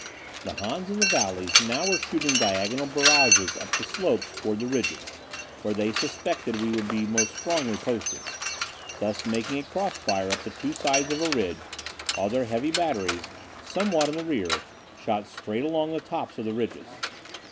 The Hans in the valleys now were shooting diagonal barrages up the slopes toward the ridges, where they suspected we would be most strongly posted, thus making a cross fire up the two sides of a ridge, while their heavy batteries, somewhat in the rear, shot straight along the tops of the ridges.